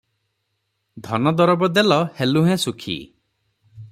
ଧନଦରବ ଦେଲ ହେଲୁଁ ହେ ସୁଖୀ